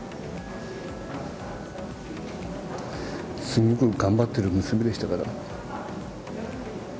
すごく頑張っている娘でしたから。